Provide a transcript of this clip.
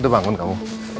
udah bangun kamu